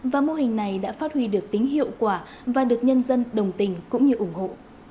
và mô hình này đã phát huy được tính hiệu quả và được nhân dân đồng tình cũng như ủng hộ